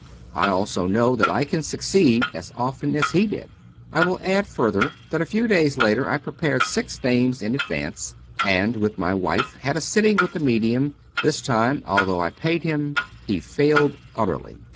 I also know that I can succeed as often as he did. I will add further that a few days later I prepared six names in advance, and, with my wife, had a sitting with the medium; this time, although I paid him, he failed utterly.